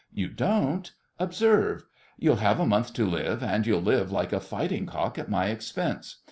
You don't? Observe: you'll have a month to live, and you'll live like a fighting cock at my expense.